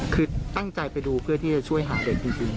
คือตั้งใจไปดูเพื่อที่จะช่วยหาเด็กจริง